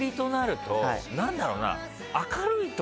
何だろうな？